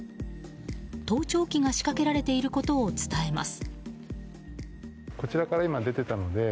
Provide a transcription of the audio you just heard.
盗聴器が仕掛けられていることを伝えます。